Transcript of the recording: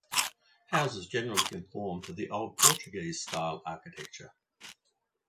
Houses generally conform to the old-Portuguese style architecture.